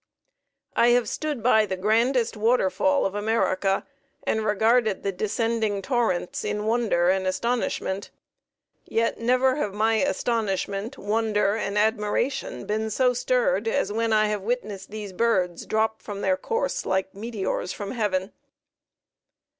I have stood by the grandest waterfall of America and regarded the descending torrents in wonder and astonishment, yet never have my astonishment, wonder, and admiration been so stirred as when I have witnessed these birds drop from their course like meteors from heaven.